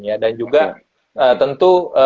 ya dan juga tentu